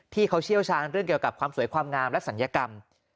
เชี่ยวชาญเรื่องเกี่ยวกับความสวยความงามและศัลยกรรม